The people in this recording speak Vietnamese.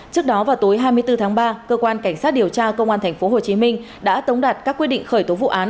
trước đó vào tối hai mươi bốn tháng ba cơ quan cảnh sát điều tra công an tp hcm đã tống đạt các quyết định khởi tố vụ án